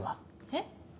えっ？